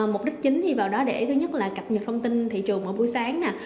mục đích chính thì vào đó để thứ nhất là cập nhật thông tin thị trường vào buổi sáng